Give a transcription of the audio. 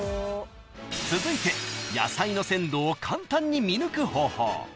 ［続いて野菜の鮮度を簡単に見抜く方法］